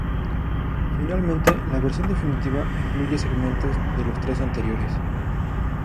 Finalmente, la "Versión definitiva" incluye segmentos de los tres anteriores.